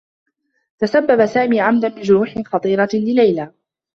تسبّب سامي عمدا بجروح خطيرة ليلي.